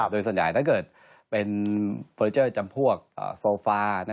โดยส่วนใหญ่ถ้าเกิดเป็นเฟอร์เจอร์จำพวกโซฟา